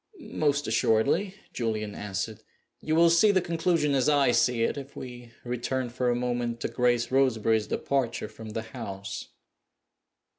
"Most assuredly," Julian answered. "You will see the conclusion as I see it if we return for a moment to Grace Roseberry's departure from the house."